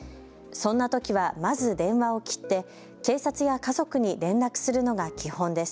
そんなときはまず電話を切って警察や家族に連絡するのが基本です。